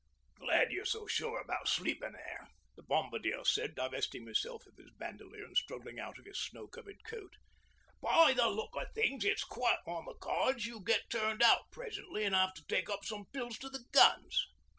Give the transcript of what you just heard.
'Glad you're so sure about sleepin' there,' the Bombardier said, divesting himself of his bandolier and struggling out of his snow covered coat. 'By the look o' things, it's quite on the cards you get turned out presently an' have to take up some pills to the guns.'